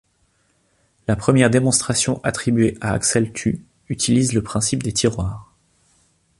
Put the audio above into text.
La première démonstration, attribuée à Axel Thue, utilise le principe des tiroirs.